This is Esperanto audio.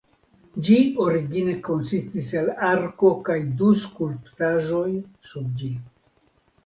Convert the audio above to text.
Ĝi origine konsistis el arko kaj du skulptaĵoj sub ĝi.